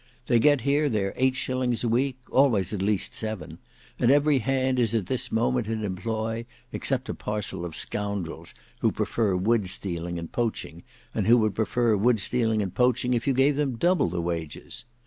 They get here their eight shillings a week, always at least seven, and every hand is at this moment in employ, except a parcel of scoundrels who prefer woodstealing and poaching, and who would prefer wood stealing and poaching if you gave them double the wages.